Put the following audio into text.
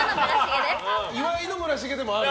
岩井の村重でもある。